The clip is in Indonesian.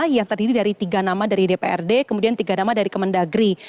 yang terdiri dari tiga nama dari dprd kemudian tiga nama dari kemendagri